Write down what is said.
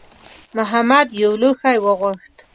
محمد یو لوښی وغوښت.